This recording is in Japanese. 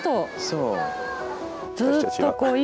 そう。